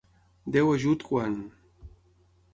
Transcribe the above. Déu ajut quan...